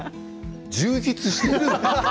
充実している。